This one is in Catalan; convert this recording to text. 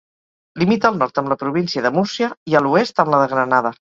Limita al nord amb la província de Múrcia i a l'oest amb la de Granada.